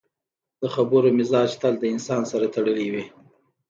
د خبرو مزاج تل د انسان سره تړلی وي